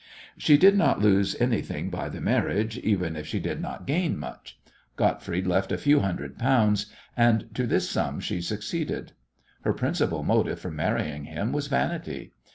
She did not lose anything by the marriage even if she did not gain much. Gottfried left a few hundred pounds, and to this sum she succeeded. Her principal motive for marrying him was vanity.